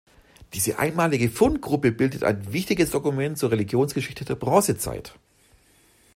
Diese einmalige Fundgruppe bildet ein wichtiges Dokument zur Religionsgeschichte der Bronzezeit.